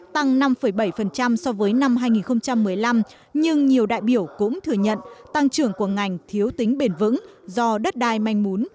tăng năm bảy so với năm hai nghìn một mươi năm nhưng nhiều đại biểu cũng thừa nhận tăng trưởng của ngành thiếu tính bền vững do đất đai manh mún